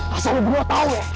asal lo berdua tau gak